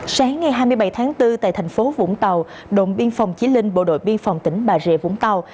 sáng ngày hai mươi bảy tháng bốn tại thành phố vũng tàu đội biên phòng chí linh bộ đội biên phòng tỉnh bà rịa vũng tàu